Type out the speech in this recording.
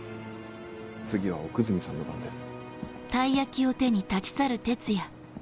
次は奥泉さんの番です。